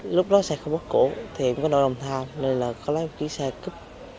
lúc đó xe không có cổ thì em có nội đồng tham nên là có lấy một chiếc xe cúp